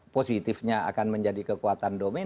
positifnya akan menjadi kekuatan dominan